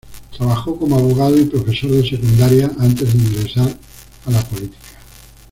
Trabajó como abogado y profesor de secundaria antes de ingresar a la política.